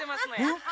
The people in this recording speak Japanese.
あっ！？